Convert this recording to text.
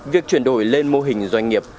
việc chuyển đổi lên mô hình doanh nghiệp